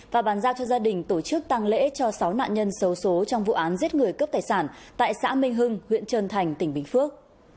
và bàn giao cho gia đình tổ chức tăng lễ cho sáu nạn nhân sâu số trong vụ án giết người cướp tài sản tại xã minh hưng huyện trân thành tỉnh bình phước